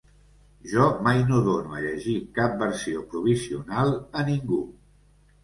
Jo mai no dono a llegir cap versió provisional a ningú.